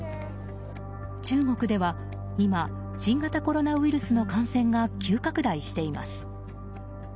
中国では今新型コロナウイルスの感染が急拡大しています。